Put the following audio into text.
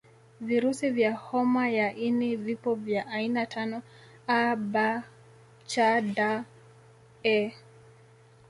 Virusi vya homa ya ini vipo vya aina tano A B C D E